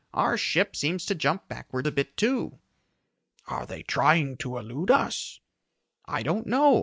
Our ship seems to jump backward a bit too." "Are they trying to elude us?" "I don't know.